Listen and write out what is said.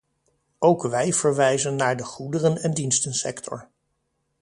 Ook wij verwijzen naar de goederen- en dienstensector.